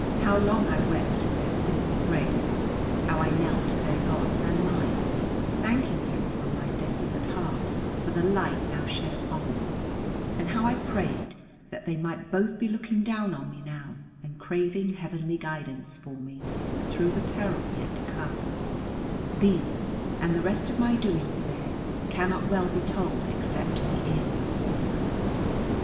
How long I wept at their simple graves, how I knelt to their God and mine, thanking Him from my desolate heart for the light now shed upon me, and how I prayed that they might both be looking down on me now and craving heavenly guidance for me through the peril yet to come these, and the rest of my doings there, cannot well be told except to the ears of orphans.